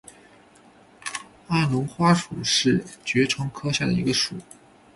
安龙花属是爵床科下的一个属。